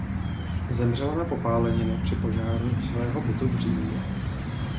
Zemřela na popáleniny při požáru svého bytu v Římě.